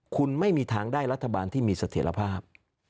คุณไม่มีทางได้รัฐบาลที่มีเสถียรภาพ